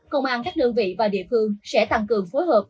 công an các đơn vị và địa phương sẽ tăng cường phối hợp